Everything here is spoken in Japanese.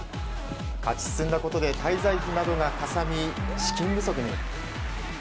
勝ち進んだことで滞在費などがかさみ資金不足に。